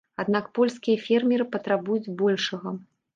Аднак польскія фермеры патрабуюць большага.